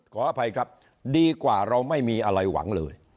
ขออภัยครับดีกว่าเราไม่มีอะไรหวังเลย